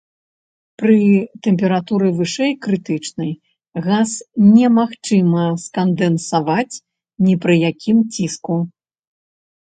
Пры тэмпературы вышэй крытычнай газ немагчыма скандэнсаваць ні пры якім ціску.